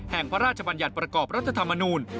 แห่งพระราชบรรยัตน์ประกอบรัฐธรรมนูล